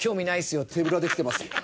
「手ぶらで来てます」。